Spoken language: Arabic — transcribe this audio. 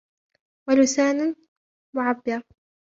وَلِسَانٌ مُعَبِّرٌ